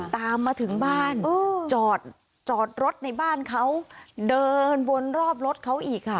ตามมาถึงบ้านจอดจอดรถในบ้านเขาเดินวนรอบรถเขาอีกค่ะ